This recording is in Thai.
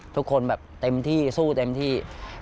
ทุกคนแบบเต็มที่สู้เต็มที่